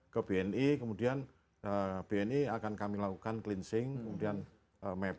ke bni kemudian bni akan kami lakukan cleansing kemudian mapping